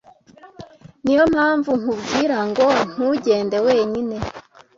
Niyo mpamvu nkubwira ngo ntugende wenyine.